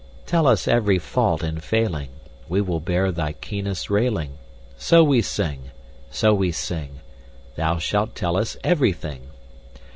Tell us every fault and failing, We will bear thy keenest railing, So we sing so we sing Thou shalt tell us everything!